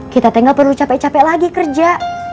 kita tinggal perlu capek capek lagi kerja